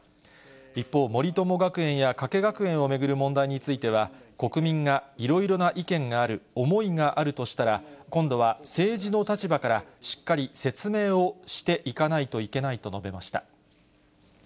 一方、森友学園や加計学園を巡る問題については、国民がいろいろな意見がある、思いがあるとしたら、今度は政治の立場からしっかり説明をしていかないといけないと述べました。